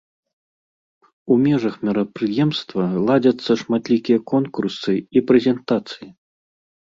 У межах мерапрыемства ладзяцца шматлікія конкурсы і прэзентацыі.